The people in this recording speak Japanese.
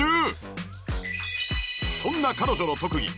そんな彼女の特技